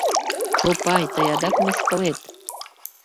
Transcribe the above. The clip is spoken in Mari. Чопай, тый адак мыскылет?